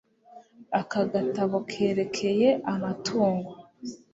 Aka gatabo kerekeye amatungo